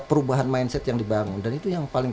perubahan mindset yang dibangun dan itu yang paling